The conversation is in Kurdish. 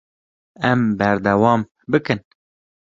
Em berdewam bikin.